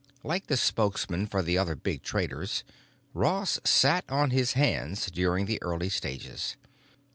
Like the spokesmen for the other big traders, Ross sat on his hands during the early stages.